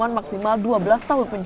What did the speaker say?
pertama rsk dan ms pasangan mesum